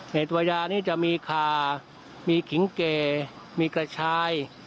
ในตัวยานี้จะมีขามีขิงเกมีกระชาย